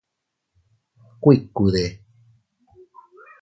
¿Kuikude?